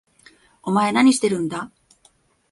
お前何してるんだ？